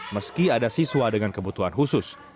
meski ada siswa dengan kebutuhan khusus